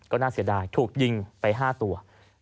ก็น่าเสียดายถูกยิงไป๕ตัว